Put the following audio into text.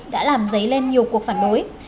đã làm dấy lên nhiều cuộc phản đối